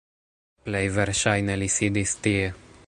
Plej verŝajne li sidis tie